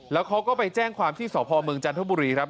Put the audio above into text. แล้วเขาก็ไปแจ้งความที่สพเมืองจันทบุรีครับ